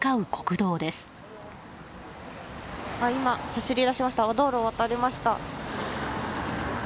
道路を渡りました。